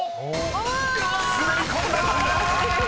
［滑り込んだ！］